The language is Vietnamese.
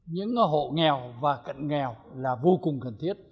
những hộ nghèo và cận nghèo là vô cùng cần thiết